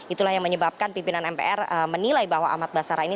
itulah yang menyebabkan pimpinan mpr menilai bahwa ahmad basara ini